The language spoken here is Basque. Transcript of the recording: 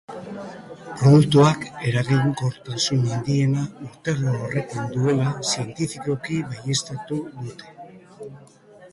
Produktuak eraginkortasun handiena urtaro horretan duela zientifikoki baieztatu dute.